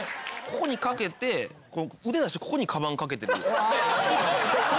ここに掛けて腕出してここにカバン掛けてる。